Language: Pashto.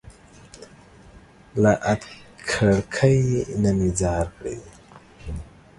له ادکړکۍ نه مي ځار کړى